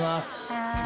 はい。